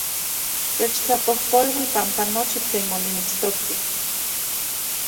Techtlapojpolui panpa nochi tlen onimitstokti